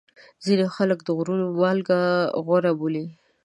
ځینې خلک د غرونو مالګه غوره بولي.